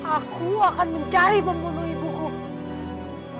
aku akan mencari pembunuh ibu